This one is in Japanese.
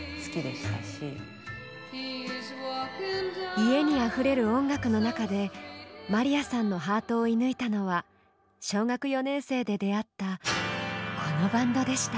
家にあふれる音楽の中でまりやさんのハートを射ぬいたのは小学４年生で出会ったこのバンドでした。